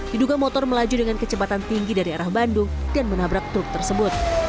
diduga motor melaju dengan kecepatan tinggi dari arah bandung dan menabrak truk tersebut